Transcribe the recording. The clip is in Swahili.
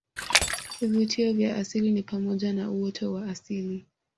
Vivutio vya asili ni pamoja na uoto wa asili